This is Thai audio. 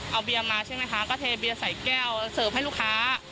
เอาเบียร์มาใช่ไหมคะก็เทเบียร์ใส่แก้วเสิร์ฟให้ลูกค้า